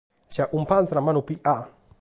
Si acumpàngiant a manu pigada!